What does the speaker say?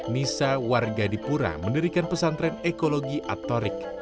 nisa warga dipura mendirikan pesantren ekologi atorik